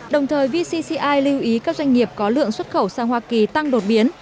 đồng thời vcci lưu ý các doanh nghiệp có lượng xuất khẩu sang hoa kỳ tăng đột biến